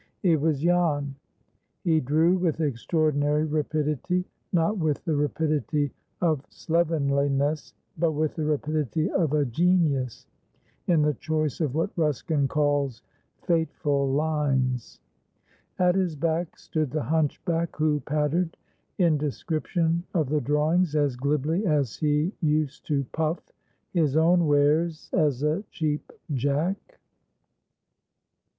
It was Jan. He drew with extraordinary rapidity; not with the rapidity of slovenliness, but with the rapidity of a genius in the choice of what Ruskin calls "fateful lines." At his back stood the hunchback, who "pattered" in description of the drawings as glibly as he used to "puff" his own wares as a Cheap Jack. [Picture: The crowd was gathered ..